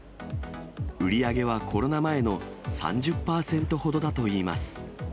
売り上げはコロナ前の３０％ほどだといいます。